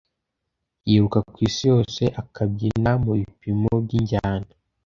yiruka kwisi yose akabyina mubipimo byinjyana.